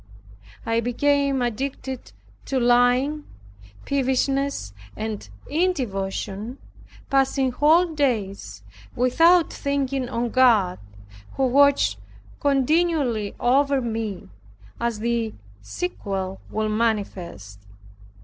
I became addicted to lying, peevishness and indevotion, passing whole days without thinking on God; though He watched continually over me, as the sequel will manifest.